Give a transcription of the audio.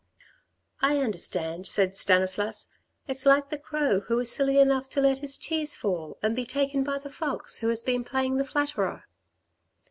" I understand," said Stanislas, " it's like the crow who is silly enough to let his cheese fall and be taken by the fox who has been playing the flatterer."